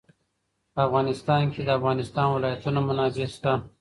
په افغانستان کې د د افغانستان ولايتونه منابع شته.